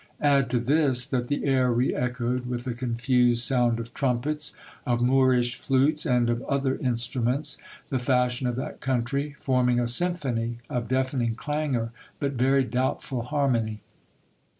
Add to this, that he air re echoed with a confused sound of trumpets, of Moorish flutes, and of other instruments, the fashion of that country, forming a symphony of deafening clangour, but very doubtful harmony.